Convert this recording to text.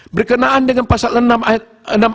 berkenaan dengan pasangan enam a